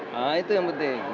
nah itu yang penting